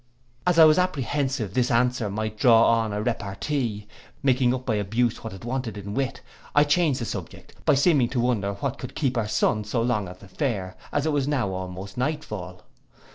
'—As I was apprehensive this answer might draw on a repartee, making up by abuse what it wanted in wit, I changed the subject, by seeming to wonder what could keep our son so long at the fair, as it was now almost nightfall.